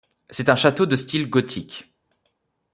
C'est un château de style gothique.